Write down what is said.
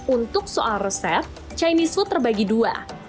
untuk soal resep chinese food terbagi dua